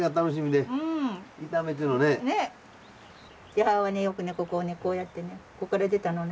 母はねよくねここをねこうやってねこっから出たのをね